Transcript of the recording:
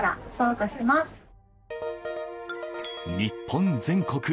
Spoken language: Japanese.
日本全国